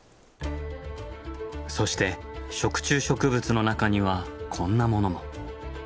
そして食虫植物の中にはこんなものも。